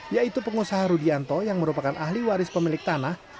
yaitu pengusaha rudianto yang merupakan ahli waris pemilik tanah